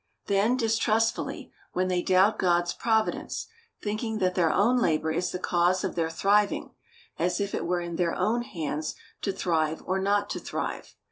Then distrustfully, when they doubt God's providence, thinking that their own labor is the cause of their thriving, as if it were in their own hands to thrive or not to thrive.